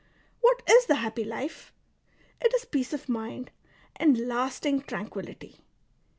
What is the happy life ? It is peace of mind, and lasting tranquillity.